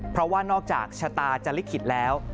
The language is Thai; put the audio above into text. เพราะว่านอกจากชะตาจะลิขิตแล้ว